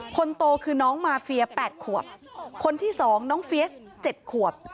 คนโตคือน้องมาเฟียร์แปดขวบคนที่สองน้องเฟียร์สเจ็ดขวบ